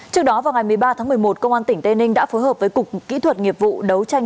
trước đó vào ngày một mươi ba tháng một mươi một công an tỉnh tây ninh đã phối hợp với cục kỹ thuật nghiệp vụ đấu tranh